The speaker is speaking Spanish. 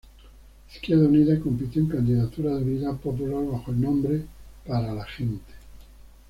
Izquierda Unida compitió en candidaturas de unidad popular bajo el nombre para la Gente.